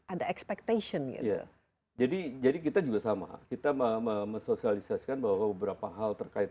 ada expectation jadi jadi kita juga sama kita memenuhi sosialisasikan bahwa beberapa hal terkait